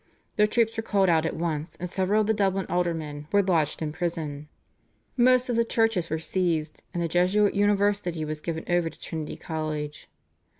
The troops were called out at once, and several of the Dublin aldermen were lodged in prison. Most of the churches were seized, and the Jesuit University was given over to Trinity College.